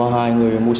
hai người mua xe